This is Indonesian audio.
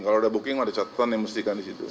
kalau ada booking ada catatan yang dimestikan disitu